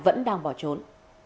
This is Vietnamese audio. vẫn đang bỏ trốn